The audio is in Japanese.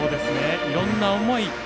いろんな思い